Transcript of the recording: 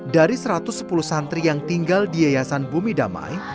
dari satu ratus sepuluh santri yang tinggal di yayasan bumi damai